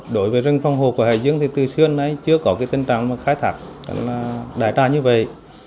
đối với rừng phòng hộ của hải dương từ xưa đến nay chưa có tình trạng khai thác đại tra như vậy